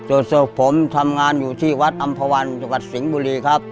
ส่วนศพผมทำงานอยู่ที่วัดอำภาวันจังหวัดสิงห์บุรีครับ